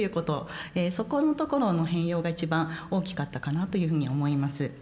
そこのところの変容が一番大きかったかなというふうに思います。